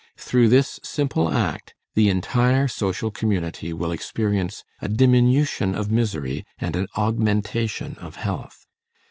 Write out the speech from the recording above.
Through this simple act, the entire social community will experience a diminution of misery and an augmentation of health.